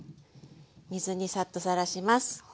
水にサッとさらします。